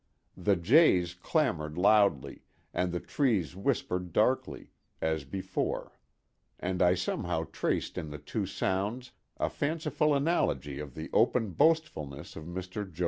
The jays clamored loudly, and the trees whispered darkly, as before; and I somehow traced in the two sounds a fanciful analogy to the open boastfulness of Mr. Jo.